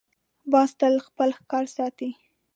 باز تل خپل ښکار ساتي